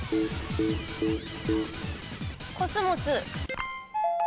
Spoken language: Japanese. コスモス。